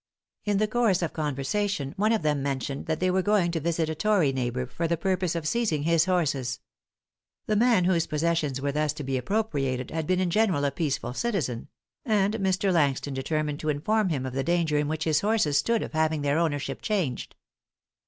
In the course of conversation one of them mentioned that they were going to visit a tory neighbor, for the purpose of seizing his horses. The man whose possessions were thus to be appropriated had been in general a peaceful citizen; and Mr. Langston determined to inform him of the danger in which his horses stood of having their ownership changed.